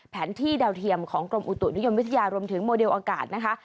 แผนที่ดาวเทียมของกรมอุตุนิยมวิทยารวมถึงโมเดลอากาศนะคะ